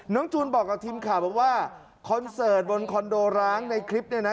จูนบอกกับทีมข่าวบอกว่าคอนเสิร์ตบนคอนโดร้างในคลิปเนี่ยนะ